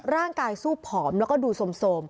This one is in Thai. ร่างกายสู้ผอมแล้วก็ดูสม